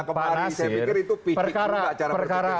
kemarin saya pikir itu pikir juga